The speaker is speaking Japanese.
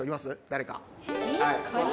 誰か。